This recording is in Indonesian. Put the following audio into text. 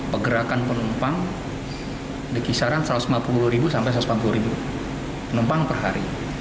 pergerakan penumpang dikisaran satu ratus lima puluh satu ratus empat puluh ribu penumpang per hari